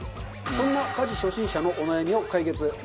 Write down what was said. そんな家事初心者のお悩みを解決。